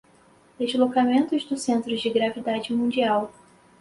Deslocamentos do Centro de Gravidade Mundial